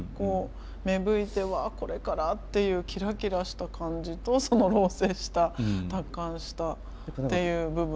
芽吹いてわこれからっていうキラキラした感じとその老成した達観したっていう部分が。